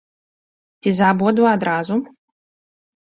Ці за абодва адразу?